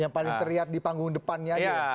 yang paling terlihat di panggung depannya aja